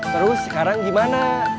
terus sekarang gimana